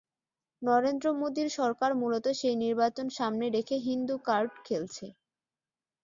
নরেন্দ্র মোদির সরকার মূলত সেই নির্বাচন সামনে রেখে হিন্দু কার্ড খেলছে।